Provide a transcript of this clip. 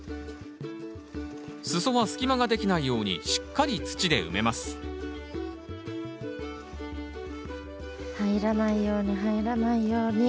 裾は隙間ができないようにしっかり土で埋めます入らないように入らないように。